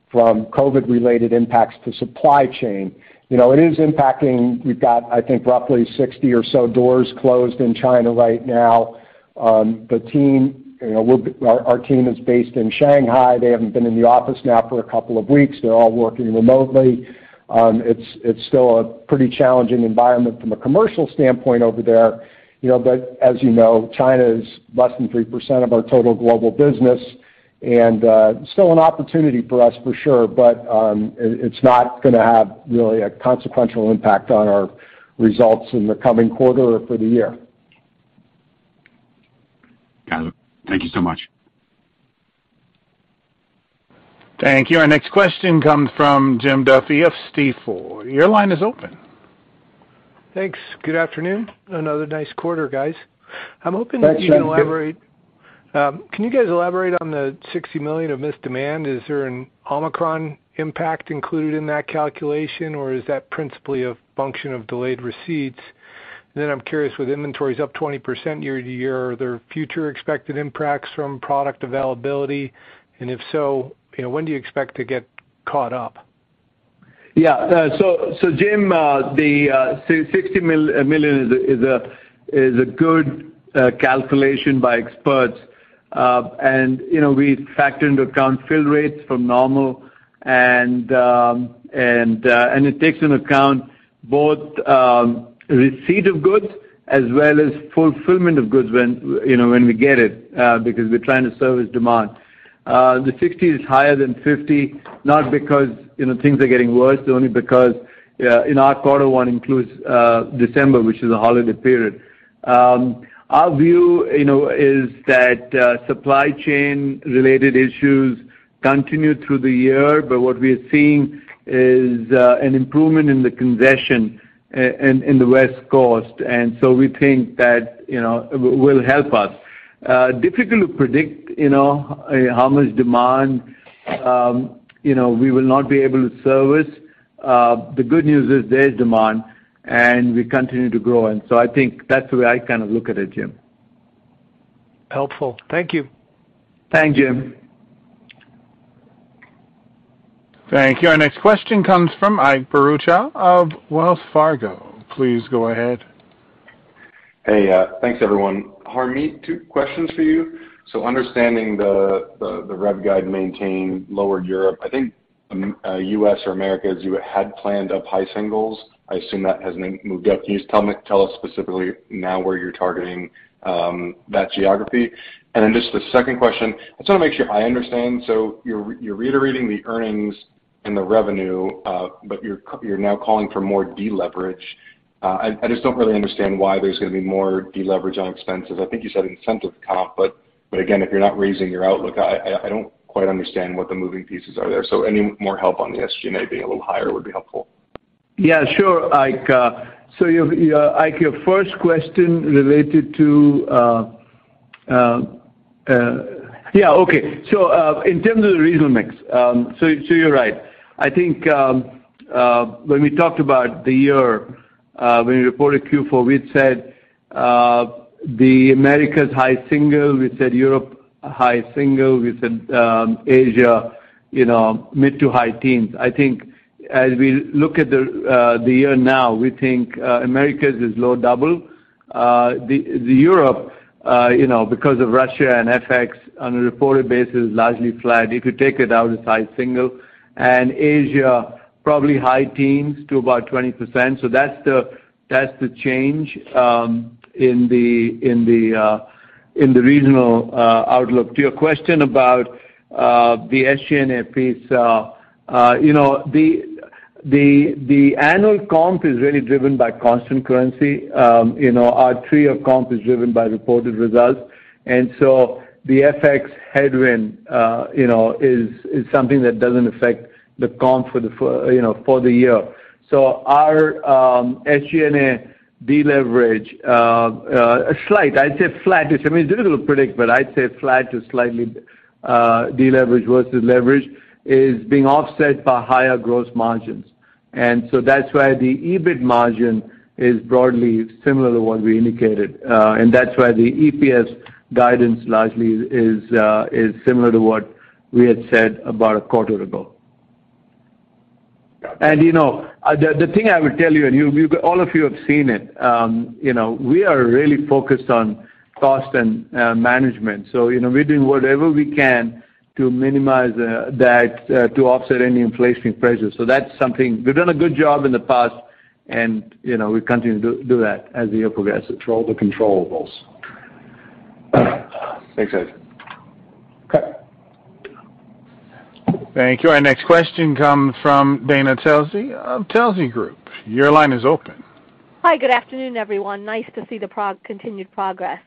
from COVID-related impacts to supply chain. You know, it is impacting. We've got, I think, roughly 60 or so doors closed in China right now. The team, you know, our team is based in Shanghai. They haven't been in the office now for a couple of weeks. They're all working remotely. It's still a pretty challenging environment from a commercial standpoint over there. You know, as you know, China is less than 3% of our total global business, and still an opportunity for us for sure, but it's not gonna have really a consequential impact on our results in the coming quarter or for the year. Got it. Thank you so much. Thank you. Our next question comes from Jim Duffy of Stifel. Your line is open. Thanks. Good afternoon. Another nice quarter, guys. I'm hoping that you can elaborate. Can you guys elaborate on the $60 million of missed demand? Is there an Omicron impact included in that calculation, or is that principally a function of delayed receipts? I'm curious, with inventories up 20% year-over-year, are there future expected impacts from product availability? If so, you know, when do you expect to get caught up? So Jim, the $60 million is a good calculation by experts. You know, we factor into account fill rates from normal and it takes into account both receipt of goods as well as fulfillment of goods when you know when we get it because we're trying to service demand. The 60 is higher than 50, not because you know things are getting worse, only because in our quarter one includes December, which is a holiday period. Our view you know is that supply chain related issues continue through the year, but what we are seeing is an improvement in the congestion in the West Coast. We think that you know it will help us. Difficult to predict, you know, how much demand, you know, we will not be able to service. The good news is there is demand. We continue to grow. I think that's the way I kind of look at it, Jim. Helpful. Thank you. Thank you. Thank you. Our next question comes from Ike Boruchow of Wells Fargo. Please go ahead. Hey, thanks everyone. Harmit, two questions for you. Understanding the rev guide maintained lower Europe, I think, U.S. or Americas, you had planned up high singles. I assume that has moved up. Can you just tell us specifically now where you're targeting that geography? Just the second question, I just want to make sure I understand. You're reiterating the earnings and the revenue, but you're now calling for more deleverage. I just don't really understand why there's gonna be more deleverage on expenses. I think you said incentive comp, but again, if you're not raising your outlook, I don't quite understand what the moving pieces are there. Any more help on the SG&A being a little higher would be helpful. Yeah, sure, Ike. In terms of the regional mix, you're right. I think when we talked about the year, when we reported Q4, we'd said the Americas high single, we said Europe high single, we said Asia, you know, mid to high teens. I think as we look at the year now, we think Americas is low double. Europe, you know, because of Russia and FX on a reported basis, largely flat. If you take it out, it's high single. Asia, probably high teens to about 20%. That's the change in the regional outlook. To your question about the SG&A piece, you know, the annual comp is really driven by constant currency. You know, our three-year comp is driven by reported results. The FX headwind is something that doesn't affect the comp for the year. Our SG&A deleverage, slight, I'd say flat. I mean, it's difficult to predict, but I'd say flat to slightly deleverage versus leverage is being offset by higher gross margins. That's why the EBIT margin is broadly similar to what we indicated. That's why the EPS guidance largely is similar to what we had said about a quarter ago. Got it. You know, the thing I would tell you, and you all of you have seen it, you know, we are really focused on cost and management. You know, we're doing whatever we can to minimize that to offset any inflationary pressures. That's something. We've done a good job in the past and, you know, we continue to do that as the year progresses, control the controllables. Thanks, guys. Okay. Thank you. Our next question comes from Dana Telsey of Telsey Group. Your line is open. Hi, good afternoon, everyone. Nice to see the continued progress.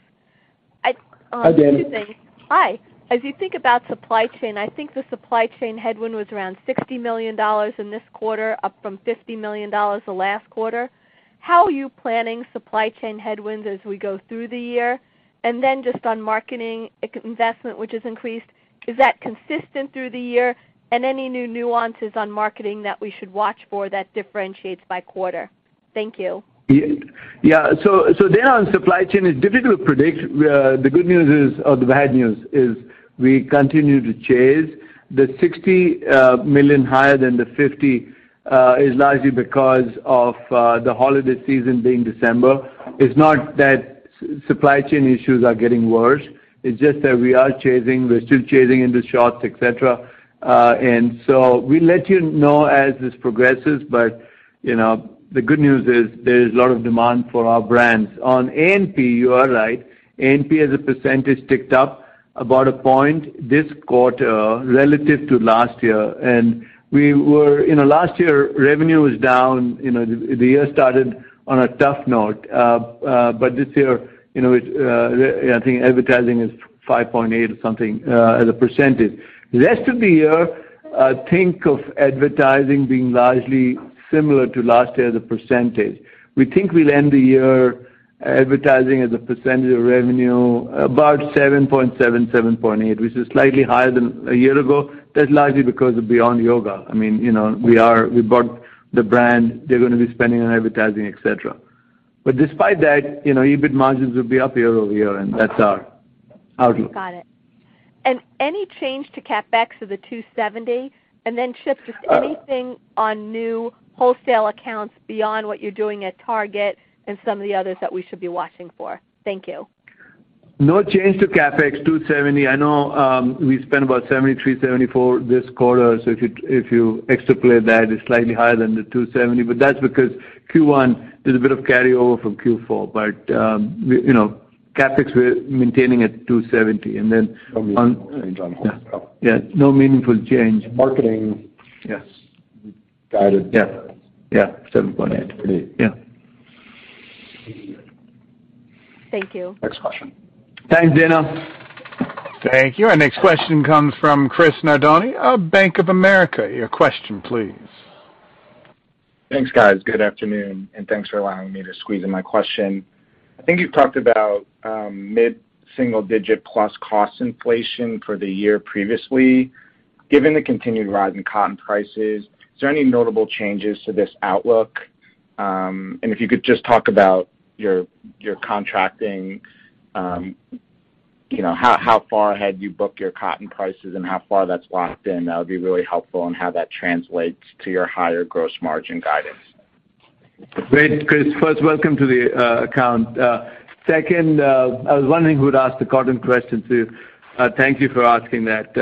I— Hi, Dana. —Two things. Hi. As you think about supply chain, I think the supply chain headwind was around $60 million in this quarter, up from $50 million the last quarter. How are you planning supply chain headwinds as we go through the year? Just on marketing investment, which has increased, is that consistent through the year? Any new nuances on marketing that we should watch for that differentiates by quarter? Thank you. Yeah. Dana, on supply chain, it's difficult to predict. The good news is, or the bad news is we continue to chase. The $60 million higher than the $50 million is largely because of the holiday season being December. It's not that supply chain issues are getting worse. It's just that we are chasing, we're still chasing into shops, et cetera. We'll let you know as this progresses. You know, the good news is there's a lot of demand for our brands. On A&P, you are right. A&P as a percentage ticked up about a point this quarter relative to last year. You know, last year, revenue was down. You know, the year started on a tough note. This year, you know, it, I think advertising is 5.8% or something as a percentage. The rest of the year, think of advertising being largely similar to last year as a percentage. We think we'll end the year advertising as a percentage of revenue about 7.7%-7.8%, which is slightly higher than a year ago. That's largely because of Beyond Yoga. I mean, you know, we bought the brand. They're gonna be spending on advertising, et cetera. Despite that, you know, EBIT margins will be up year-over-year, and that's our outlook. Got it. Any change to CapEx of the $270? Chip, just anything on new wholesale accounts beyond what you're doing at Target and some of the others that we should be watching for? Thank you. No change to CapEx, $270. I know we spent about $73-$74 this quarter. So if you extrapolate that, it's slightly higher than the $270. But that's because Q1, there's a bit of carryover from Q4. But, we, you know, CapEx, we're maintaining at $270. And then no meaningful change on wholesale. Yeah, no meaningful change. And marketing, Yes. We guided, Yeah, $7.8, yeah. Thank you. Next question. Thanks, Dana. Thank you. Our next question comes from Chris Nardone of Bank of America. Your question please. Thanks, guys. Good afternoon, thanks for allowing me to squeeze in my question. I think you've talked about mid-single digit plus cost inflation for the year previously. Given the continued rise in cotton prices, is there any notable changes to this outlook? If you could just talk about your contracting, you know, how far ahead you book your cotton prices and how far that's locked in, that would be really helpful on how that translates to your higher gross margin guidance. Great, Chris. First, welcome to the account. Second, I was wondering who'd ask the cotton question, so thank you for asking that.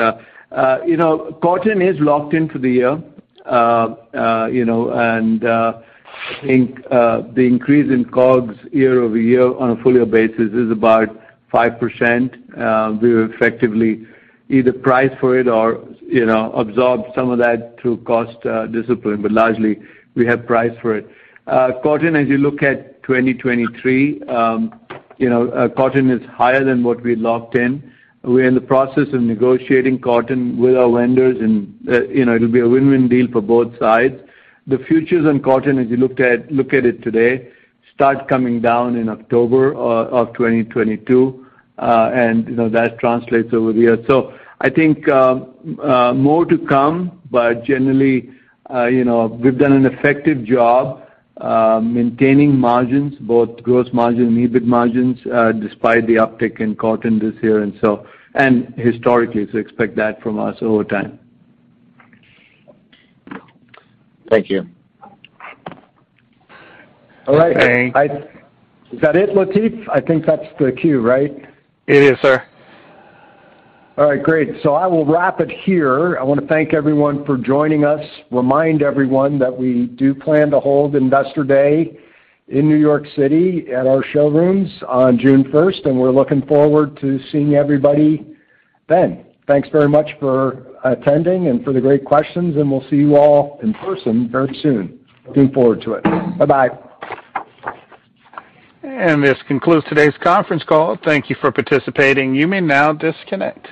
You know, cotton is locked in for the year. You know, I think the increase in COGS year-over-year on a full year basis is about 5%. We've effectively either priced for it or, you know, absorbed some of that through cost discipline. Largely, we have priced for it. Cotton, as you look at 2023, you know, cotton is higher than what we locked in. We're in the process of negotiating cotton with our vendors and, you know, it'll be a win-win deal for both sides. The futures on cotton, as you look at it today, start coming down in October of 2022, and that translates over the year. I think more to come, but generally, we've done an effective job maintaining margins, both gross margin, EBIT margins, despite the uptick in cotton this year and so, and historically, so expect that from us over time. Thank you. All right. Thanks. Is that it, Latif? I think that's the cue, right? It is, sir. All right, great. I will wrap it here. I wanna thank everyone for joining us. Remind everyone that we do plan to hold Investor Day in New York City at our showrooms on June first, and we're looking forward to seeing everybody then. Thanks very much for attending and for the great questions, and we'll see you all in person very soon. Looking forward to it. Bye-bye. This concludes today's conference call. Thank you for participating. You may now disconnect.